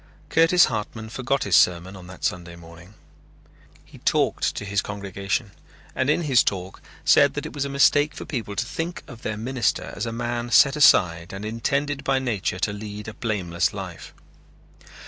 Curtis Hartman forgot his sermon on that Sunday morning. He talked to his congregation and in his talk said that it was a mistake for people to think of their minister as a man set aside and intended by nature to lead a blameless life.